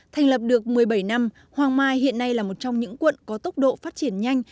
thành lập được một mươi bảy năm hoàng mai hiện nay là một trong những quận có tốc độ phát triển nhanh